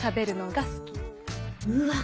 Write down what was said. うわ！